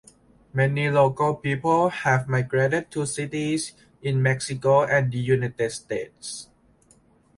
Many local people have migrated to cities in Mexico and the United States.